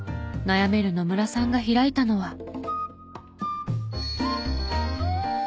悩める野村さんが開いたのは。